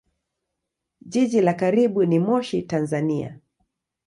Jiji la karibu ni Moshi, Tanzania.